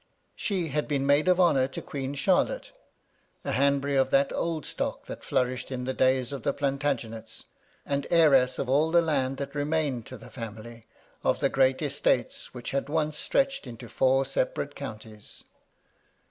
She had been maid of honour to Queen Charlotte : a Hanbury of that old stock that flourished in the days of the Plantagenets, and heiress of all the land that remained to the family, of the great estates which had once stretched into four separate counties.